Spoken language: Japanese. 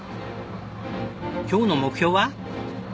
今日の目標は？